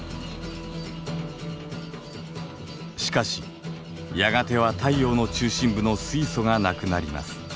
しかしやがては太陽の中心部の水素がなくなります。